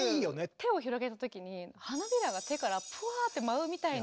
手を広げたときに花びらが手からプワって舞うみたいな。